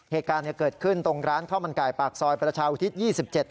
เหตุการณ์เกิดขึ้นตรงร้านข้าวมันไก่ปากซอยประชาอุทิศ๒๗